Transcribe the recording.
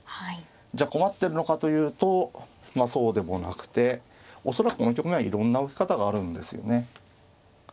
じゃあ困ってるのかというとそうでもなくて恐らくこの局面はいろんな受け方があるんですよね。